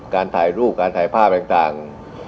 การถ่ายรูปการถ่ายภาพต่าง